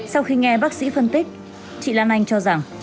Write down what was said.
sau khi nghe bác sĩ phân tích chị lan anh cho rằng